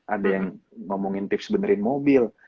ada yang ngomongin tips benerin mobil